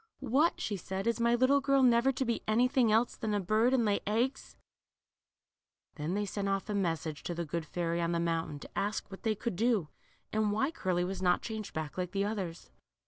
What," she said, is my little girl never to be anything else than a bird, and lay eggs ?" Then they sent off a message to the good fairy on the mountain, to ask what they could do, and why Cip:ly was not changed back like the others.